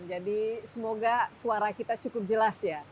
jadi semoga suara kita cukup jelas ya